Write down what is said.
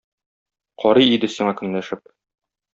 Карый иде сиңа көнләшеп.